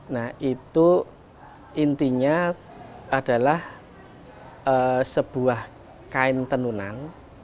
nah itu intinya adalah sebuah kain tenunan